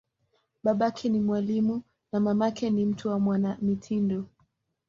Babake ni mwalimu, na mamake ni mtu wa mwanamitindo.